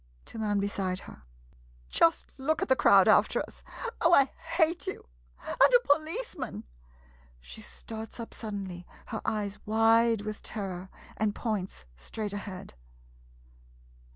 [To man beside her.] Just look at the crowd after us. Oh — I hate you! And a policeman — [She starts up suddenly, her eyes wide with terror, and points straight ahead.